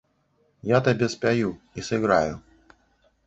Я табе спяю і сыграю.